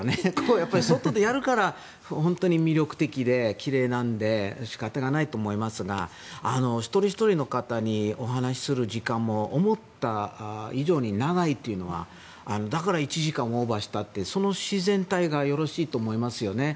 やっぱり外でやるから本当に魅力的で奇麗なので仕方がないと思いますが一人ひとりの方にお話しする時間も思った以上に長いというのがだから、１時間オーバーしたってその自然体がよろしいと思いますよね。